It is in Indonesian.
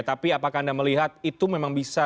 tapi apakah anda melihat itu memang bisa